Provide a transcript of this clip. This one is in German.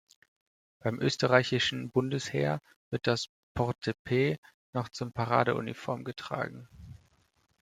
Beim österreichischen Bundesheer wird das Portepee noch zur Paradeuniform getragen.